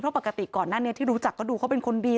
เพราะปกติก่อนหน้านี้ที่รู้จักก็ดูเขาเป็นคนดี